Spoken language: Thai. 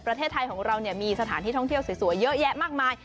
ประเทศไทยของเรามีสถานที่ท่องเที่ยวสวยเยอะแยะมากมาย